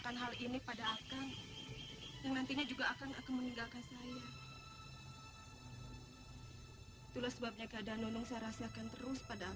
kamu telah menjalankan wajiban kamu sebagai seorang imam